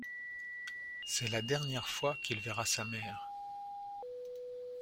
C'est la dernière fois qu'il verra sa mère.